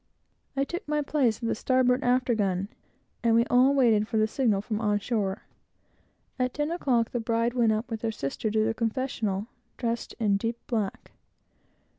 I took my place at the starboard after gun, and we all waited for the signal from on shore. At ten o'clock the bride went up with her sister to the confessional, dressed in deep black.